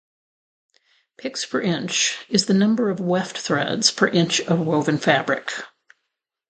Picks per inch is the number of weft threads per inch of woven fabric.